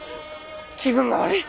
気分が悪い。